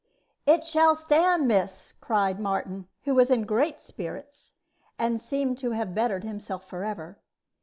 "It shall stand, miss," cried Martin, who was in great spirits, and seemed to have bettered himself forever.